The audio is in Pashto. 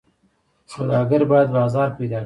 سوداګر باید بازار پیدا کړي.